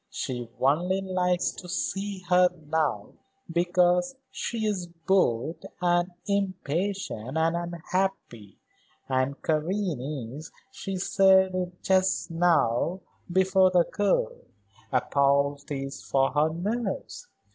She only likes to see her now because she is bored and impatient and unhappy, and Karen is she said it just now, before the girl a poultice for her nerves.